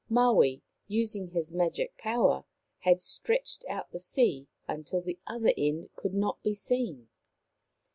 Maui, using his magic power, had stretched out the sea until the other end could not be seen.